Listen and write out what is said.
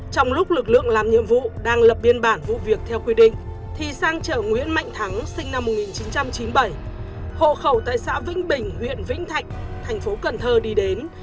trong lúc lực lượng làm nhiệm vụ đang lập biên bản vụ việc theo quy định thì sang chợ nguyễn mạnh thắng sinh năm một nghìn chín trăm chín mươi bảy hộ khẩu tại xã vĩnh bình huyện vĩnh thạnh thành phố cần thơ đi đến